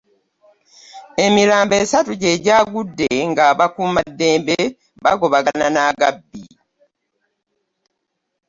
Emirambo esatu gye gyagudde nga abakuumaddembe bagobagana n'agabbi.